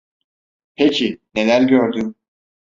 Peki, neler gördün?